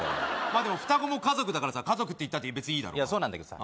まあでも双子も家族だからさ家族って言ったって別にいいだろいやそうなんだけどさ